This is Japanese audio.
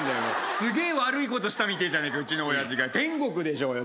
すげえ悪いことしたみてえじゃねえかうちの親父が天国でしょうよ